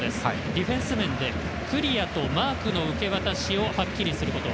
ディフェンス面でクリアとマークの受け渡しをはっきりすること。